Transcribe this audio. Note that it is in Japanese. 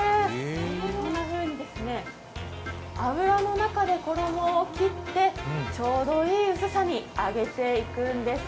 こんなふうに、油の中で衣を切ってちょうどいい薄さに揚げていくんです。